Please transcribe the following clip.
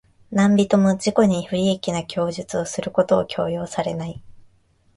何人（なんびと）も自己に不利益な供述をすることを強要されない。